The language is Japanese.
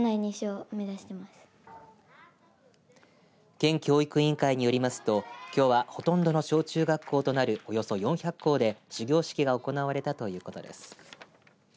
県教育委員会によりますときょうはほとんどの小中学校となるおよそ４００校で始業式が行われたということです。